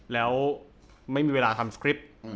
แล้วไม่มีเวลาทำสคริปต์